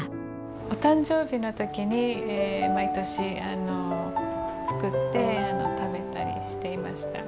お誕生日の時に毎年作って食べたりしていました。